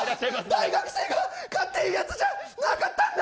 大学生が買っているやつじゃなかった。